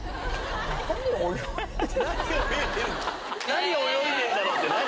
「何泳いでんだろ」って何？